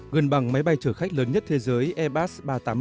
gần bằng máy bay chở khách lớn nhất thế giới airbus ba trăm tám mươi một